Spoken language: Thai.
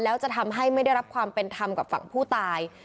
แล้วจะทำให้ไม่ได้รับความเป็นธรรมกับฝั่งผู้ตาย